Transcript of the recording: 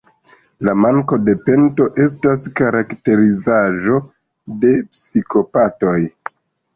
La manko de pento estas karakterizaĵo de psikopatoj.